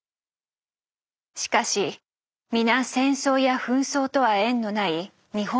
しかし皆戦争や紛争とは縁のない日本育ち。